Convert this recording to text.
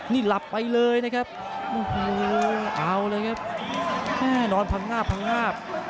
นี่หลับไปเลยนะครับโอ้โหเอาเลยครับแม่นอนพังงาบพังงาบ